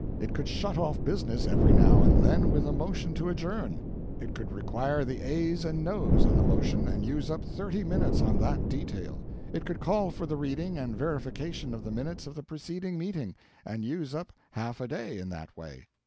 It could shut off business every now and then with a motion to adjourn. It could require the ayes and noes on the motion, and use up thirty minutes on that detail. It could call for the reading and verification of the minutes of the preceding meeting, and use up half a day in that way.